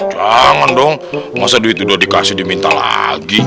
jangan dong masa duit itu udah dikasih diminta lagi